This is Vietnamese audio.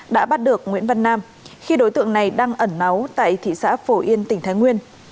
đã bắt được nguyễn văn nam khi đối tượng này đang ẩn náu tại thị xã phổ yên tỉnh thái nguyên